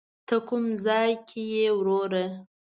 ته کوم ځای یې وروره.